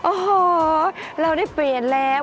โอ้โหเราได้เปลี่ยนแล้ว